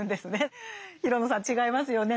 廣野さん違いますよね。